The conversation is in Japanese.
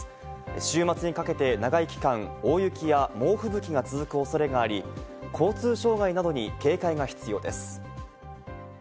週末にかけて長い期間、大雪や猛吹雪が続く恐れがあり、交通障害などに警戒が必要です。